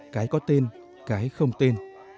cái có tên cái không tên